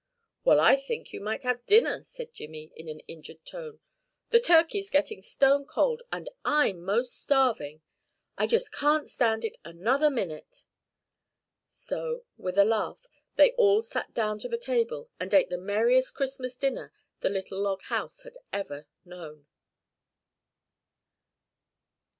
"Well, I think you might have dinner," said Jimmy in an injured tone. "The turkey's getting stone cold, and I'm most starving. I just can't stand it another minute." So, with a laugh, they all sat down to the table and ate the merriest Christmas dinner the little log house had ever known.